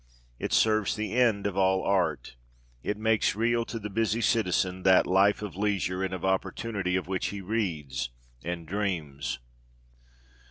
It serves the end of all art. It makes real to the busy citizen that life of leisure and of opportunity of which he reads and dreams.